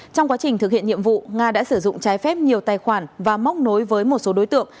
trong quá trình thực hiện nhiệm vụ nga đã sử dụng trái phép nhiều tài khoản và móc nối với một số đối tượng